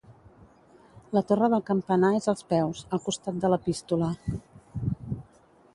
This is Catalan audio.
La torre del campanar és als peus, al costat de l'epístola.